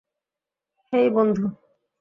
হেই, বন্ধু!